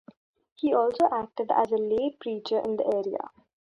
He also acted as a lay preacher in the area.